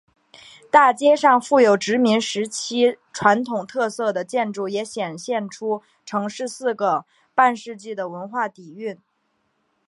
大街上富有殖民时期传统特色的建筑也显现出城市四个半世纪的文化底蕴。